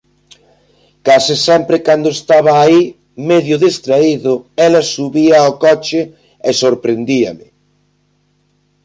Case sempre cando estaba aí, medio distraído, ela subía ó coche e sorprendíame.